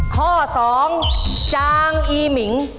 ข้อสองจางอีมิง